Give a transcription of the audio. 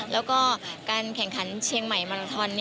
แล้วก็การแข่งขันเชียงใหม่มาลาทอน